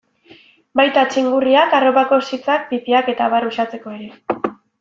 Baita txingurriak, arropako sitsak, pipiak eta abar uxatzeko ere.